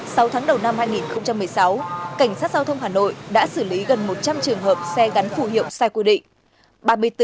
sau tháng đầu năm hai nghìn một mươi sáu cảnh sát giao thông hà nội đã xử lý gần một trăm linh trường hợp xe gắn phù hiệu sai quy định